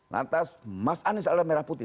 lantas mas anies adalah merah putih